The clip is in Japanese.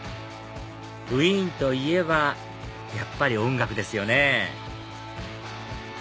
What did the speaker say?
ウィーンといえばやっぱり音楽ですよね